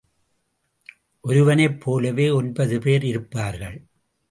ஒருவனைப் போலவே ஒன்பது பேர் இருப்பார்கள்.